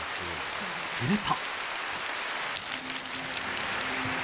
すると。